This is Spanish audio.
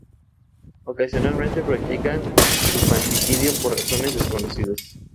Ocasionalmente, practican infanticidio por razones desconocidas.